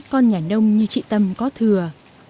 con nhà nông như chị tâm có thừa